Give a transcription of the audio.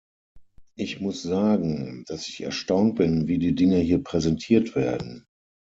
Ich muss sagen, dass ich erstaunt bin, wie die Dinge hier präsentiert werden.